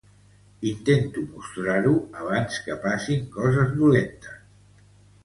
Intento mostrar-ho abans que passen coses dolentes.